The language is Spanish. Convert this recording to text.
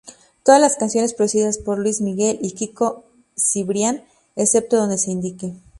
Todas las canciones producidas por Luis Miguel y Kiko Cibrián, excepto donde se indique.